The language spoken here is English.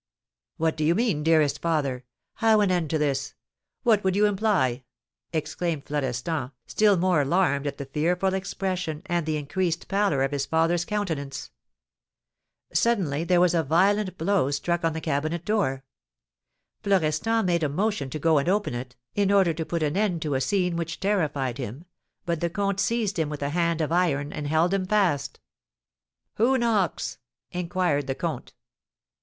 "What do you mean, dearest father? How an end to this? What would you imply?" exclaimed Florestan, still more alarmed at the fearful expression and the increased pallor of his father's countenance. Suddenly there was a violent blow struck on the cabinet door. Florestan made a motion to go and open it, in order to put an end to a scene which terrified him; but the comte seized him with a hand of iron, and held him fast. "Who knocks?" inquired the comte.